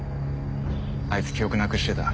あいつ記憶なくしてた。